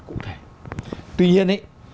cụ thể tuy nhiên ấy